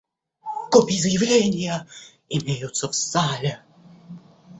Копии заявления имеются в зале.